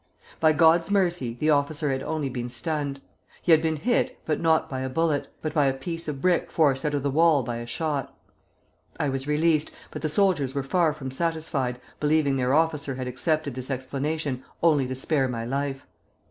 By God's mercy the officer had only been stunned. He had been hit, not by a bullet, but by a piece of brick forced out of the wall by a shot. I was released, but the soldiers were far from satisfied, believing their officer had accepted this explanation only to spare my life.